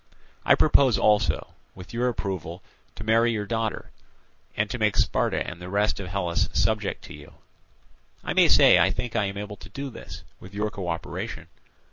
I propose also, with your approval, to marry your daughter, and to make Sparta and the rest of Hellas subject to you. I may say that I think I am able to do this, with your co operation.